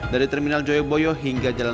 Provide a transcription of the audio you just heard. dari terminal joyoboyo hingga jalan